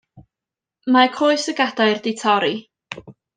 Mae coes y gadair 'di torri.